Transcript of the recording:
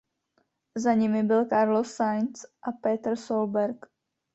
Za nimi byl Carlos Sainz a Petter Solberg.